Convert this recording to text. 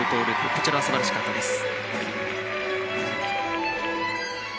こちらは素晴らしかったです。